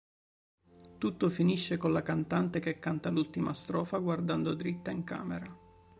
Tutto finisce con la cantante che canta l'ultima strofa guardando dritta in camera.